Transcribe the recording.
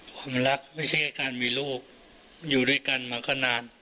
ความรักไม่ใช่แค่การมีลูกอยู่ด้วยกันมาก็นาน